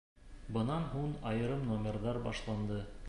Бынан һуң айырым номерҙар башланды.